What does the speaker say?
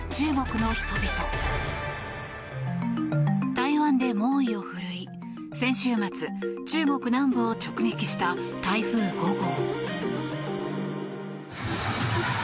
台湾で猛威を振るい先週末、中国南部を直撃した台風５号。